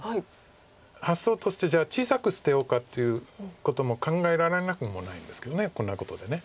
発想としてじゃあ小さく捨てようかということも考えられなくもないんですけどこんなことで。